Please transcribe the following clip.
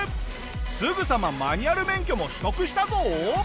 すぐさまマニュアル免許も取得したぞ！